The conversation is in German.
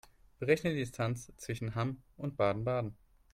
Berechne die Distanz zwischen Hamm und Baden-Baden